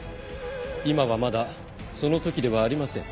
今はまだその時ではありません。